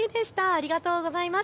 ありがとうございます。